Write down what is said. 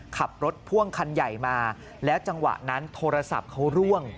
ขับรถพ่วงคันใหญ่มาแล้วจังหวะนั้นโทรศัพท์เขาร่วง